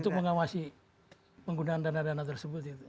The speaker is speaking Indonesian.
untuk mengawasi penggunaan dana dana tersebut